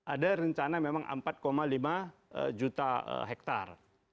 ada rencana memang empat lima juta hektare